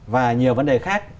và nhiều vấn đề khác